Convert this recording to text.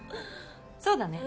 そうだね。